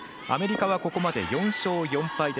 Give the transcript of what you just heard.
アメリカは、ここまで４勝４敗。